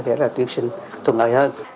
để tiêu sinh thuận lợi hơn